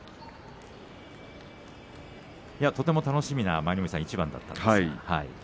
とても楽しみな一番だったんですが。